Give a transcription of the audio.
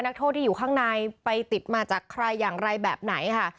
นักโทษที่อยู่ข้างในไปติดมาจากใครอย่างไรแบบไหนค่ะ